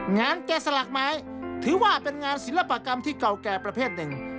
แกะสลักไม้ถือว่าเป็นงานศิลปกรรมที่เก่าแก่ประเภทหนึ่ง